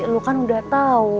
lo kan udah tau